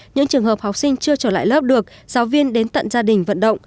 những trường hợp học sinh chưa trở lại lớp được giáo viên đến tận gia đình vận động